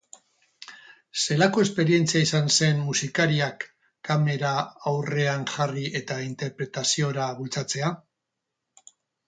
Zelako esperientzia izan zen musikariak kamera aurrean jarri eta interpretaziora bultzatzea?